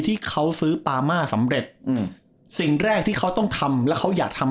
ที่เขาซื้อปามาสำเร็จอืมสิ่งแรกที่เขาต้องทำแล้วเขาอยากทำ